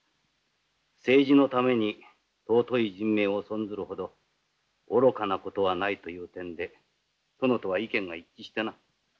政治のために尊い人命を損ずるほど愚かなことはないという点で殿とは意見が一致してな。